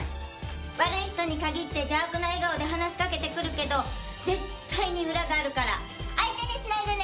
悪い人に限って邪悪な笑顔で話しかけてくるけど絶対に裏があるから相手にしないでね！